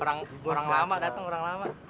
orang lama dateng